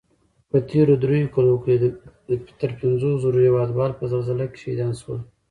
په تېرو دریو کلو کې تر پنځو زرو هېوادوال په زلزله کې شهیدان شول